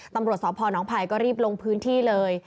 ตำรวจสอบพ่อน้องไผ่ก็รีบลงพื้นที่เลย